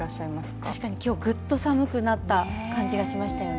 確かに今日、ぐっと寒くなった感じがしましたよね。